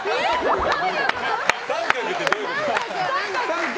△ってどういうこと？